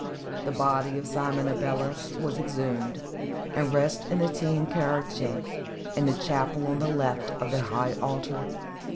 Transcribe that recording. The body of Simon Abeles was exhumed and rests in the Teyn Kirche, in the chapel on the left of the high altar.